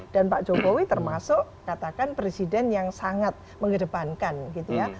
dan pak jokowi termasuk katakan presiden yang sangat mengedepankan gitu ya